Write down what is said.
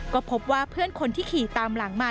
ก็พบว่าเพื่อนคนที่ขี่ตามหลังมา